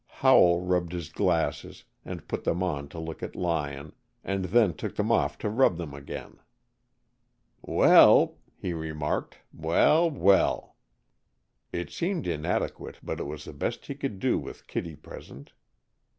Howell rubbed his glasses, and put them on to look at Lyon, and then took them off to rub them again. "Well!" he remarked. "Well, well!" It seemed inadequate, but it was the best he could do with Kittie present.